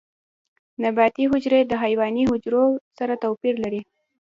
نباتي حجرې د حیواني حجرو سره توپیر لري